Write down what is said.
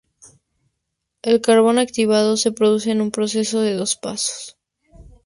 El carbón activado se produce en un proceso de dos pasos.